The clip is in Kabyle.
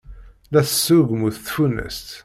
La tesrugmut tfunast.